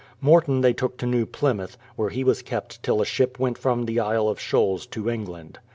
Morton they took to New Plymouth, where he was kept till a ship went from the Isle of Shoals to England.